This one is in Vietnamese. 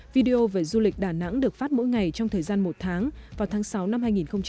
video về du lịch đà nẵng được phát mỗi ngày trong thời gian một tháng vào tháng sáu năm hai nghìn hai mươi